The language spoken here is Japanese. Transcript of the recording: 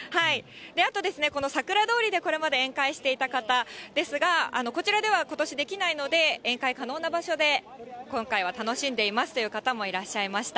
あとですね、このさくら通りでこれまで宴会していた方ですが、こちらでは、ことしできないので、宴会可能な場所で今回は楽しんでいますという方もいらっしゃいました。